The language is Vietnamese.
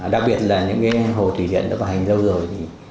đặc biệt là những cái hồ thủy điện đã vận hành lâu rồi thì